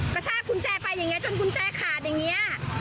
กระชากกุญแจไปอย่างนี้จนกุญแจขาดอย่างนี้